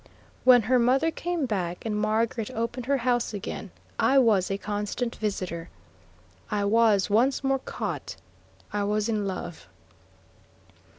When her mother came back, and Margaret opened her house again, I was a constant visitor. I was once more caught; I was in love.